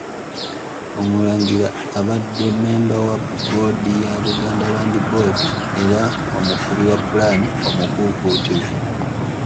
Omulangira abadde Mmemba wa Bboodi ya Buganda Land Board era omukubi wa pulaani omukuukuutivu.